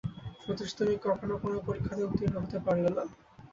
সতীশ, তুমি কখনো কোনো পরীক্ষাতেই উত্তীর্ণ হতে পারলে না।